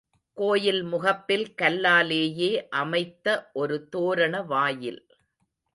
கோயில் முகப்பில் கல்லாலேயே அமைத்த ஒரு தோரண வாயில்.